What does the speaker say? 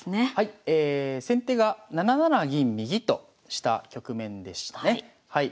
先手が７七銀右とした局面でしたね。